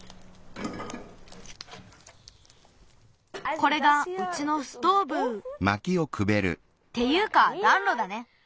これがうちのストーブっていうかだんろだね。